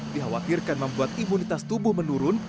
dikhawatirkan membuat imunitas tubuh menurun